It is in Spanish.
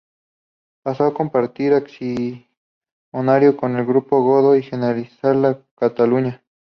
Pasó a compartir accionariado con el Grupo Godó y la Generalidad de Cataluña.